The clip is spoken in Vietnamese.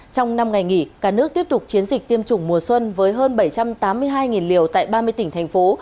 trong năm ngày nghỉ cả nước tiếp tục chiến dịch tiêm chủng mùa xuân với hơn bảy trăm tám mươi hai liều tại ba mươi tỉnh thành phố